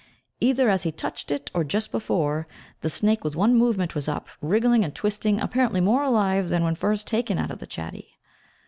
Either as he touched it, or just before, the snake with one movement was up, wriggling and twisting, apparently more alive than when first taken out of the chatty.